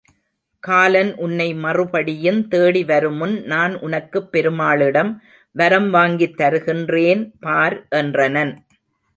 காலன் உன்னை மறுபடியுந் தேடி வருமுன் நான் உனக்குப் பெருமாளிடம் வரம் வாங்கித் தருகின்றேன் பார் என்றனன்.